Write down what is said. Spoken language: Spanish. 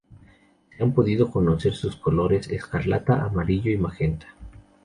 Se han podido conocer sus colores: escarlata, amarillo y magenta.